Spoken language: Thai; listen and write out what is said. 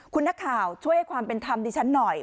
คุณนักข่าวช่วยให้ความเป็นธรรมดิฉันหน่อย